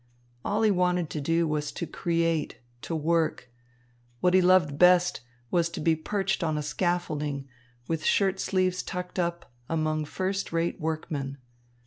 All he wanted to do was to create, to work. What he loved best was to be perched on a scaffolding, with shirt sleeves tucked up, among first rate workmen.